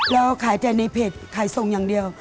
เราขายแต่ในเพจขายส่งอย่างเดียว